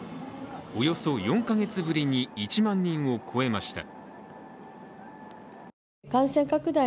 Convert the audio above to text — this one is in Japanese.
およそ４カ月ぶりに１万人を超えました。